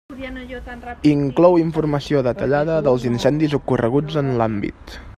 Inclou informació detallada dels incendis ocorreguts en l'àmbit.